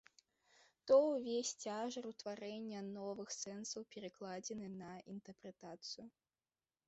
То ўвесь цяжар утварэння новых сэнсаў перакладзены на інтэрпрэтацыю.